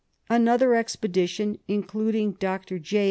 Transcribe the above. Another expedition, including Dr. J.